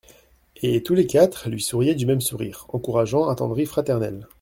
Et tous les quatre lui souriaient du même sourire encourageant, attendri, fraternel.